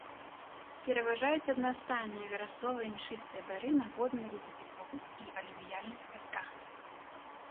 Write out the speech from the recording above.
Пераважаюць аднастайныя верасова-імшыстыя бары на водна-ледавіковых і алювіяльных пясках.